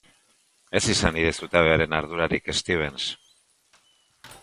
Ez izan nire zutabearen ardurarik, Stevens.